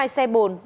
hai mươi hai xe bộ